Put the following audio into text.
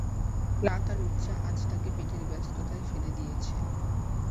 লাত আর উজ্জা আজ তাকে পেটের ব্যস্ততায় ফেলে দিয়েছে।